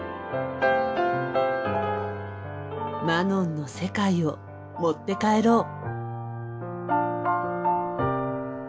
マノンの世界を持って帰ろう。